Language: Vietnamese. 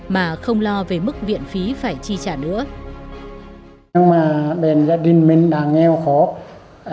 mà không lo về mức viện phí phải chi trả nữa